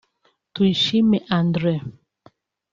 Tuyishime Adrien